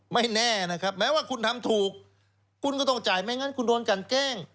ไม่แน่นะครับแม้ว่าคุณทำถูกคุณก็ต้องจ่ายไม่งั้นคุณโดนกันแกล้ง